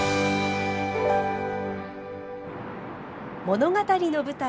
物語の舞台